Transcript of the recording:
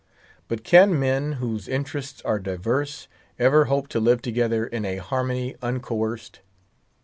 But can men, whose interests are diverse, ever hope to live together in a harmony uncoerced?